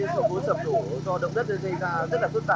của cái phố sập đổ do động đất xây ra rất là phức tạp